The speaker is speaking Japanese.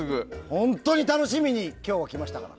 本当に楽しみに今日来ましたから。